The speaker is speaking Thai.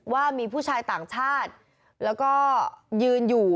ว่ามีผู้ชายต่างชาติแล้วก็ยืนอยู่